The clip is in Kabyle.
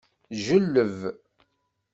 Ǧelleb.